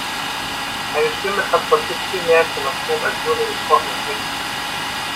Eine Stimme transportiert viel mehr Information als nur den gesprochenen Text.